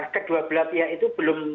kedua belah pihak itu belum